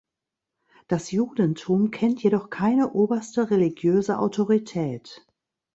Das Judentum kennt jedoch keine oberste religiöse Autorität.